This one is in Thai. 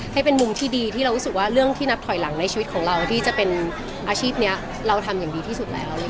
ให้เป็นมุมที่ดีที่เรารู้สึกว่าเรื่องที่นับถอยหลังในชีวิตของเราที่จะเป็นอาชีพนี้เราทำอย่างดีที่สุดแล้ว